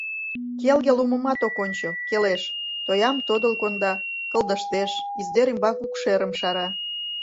Келге лумымат ок ончо — келеш; тоям тодыл конда, кылдыштеш, «издер» ӱмбак укшерым шара.